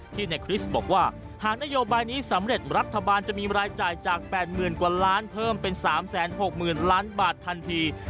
ในคริสต์บอกว่าหากนโยบายนี้สำเร็จรัฐบาลจะมีรายจ่ายจาก๘๐๐๐กว่าล้านเพิ่มเป็น๓๖๐๐๐ล้านบาททันที